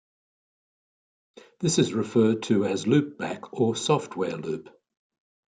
This is referred to as loopback or software loop.